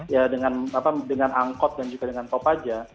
ya dengan angkot dan juga dengan kopaja